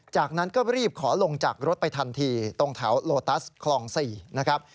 จากนั้นก็รีบขอลงจากรถไปทันทีตรงแถวโลตัสคลอง๔นะครับ